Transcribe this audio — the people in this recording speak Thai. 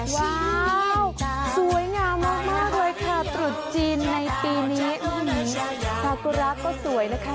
ว้าวสวยงามมากมากเลยค่ะตรุษจีนในปีนี้อื้อหือสากุรักษ์ก็สวยนะคะ